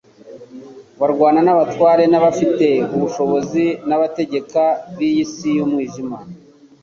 "Barwana n'abatware n'abafite ubushobozi n'abategeka b'iyi si y'umwijima